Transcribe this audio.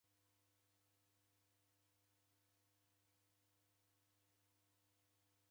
Naneka mwai wako kifu.